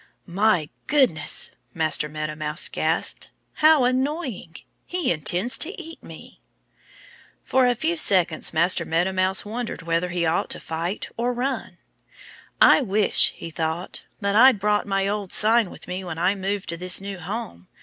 "My goodness!" Master Meadow Mouse gasped. "How annoying! He intends to eat me!" For a few moments Master Meadow Mouse wondered whether he ought to fight or run. "I wish," he thought, "that I'd brought my old sign with me when I moved to this new home.